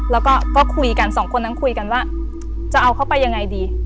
แล้วก็คุยกันสองคนนั้นคุยกันว่าจะเอาเขาไปยังไงดี